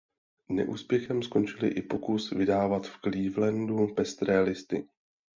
Neúspěchem skončil i pokus vydávat v Clevelandu "Pestré listy".